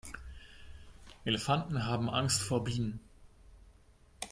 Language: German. Elefanten haben Angst vor Bienen.